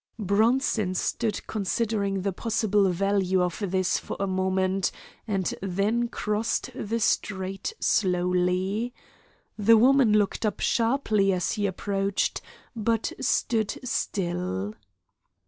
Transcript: Bronson stood considering the possible value of this for a moment, and then crossed the street slowly. The woman looked up sharply as he approached, but stood still.